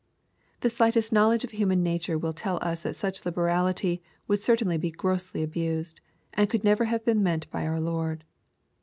The shghtest knowledge of human nature will tell us that such Uberality would certainly be grossly abused, and could never have been meant by our Lord.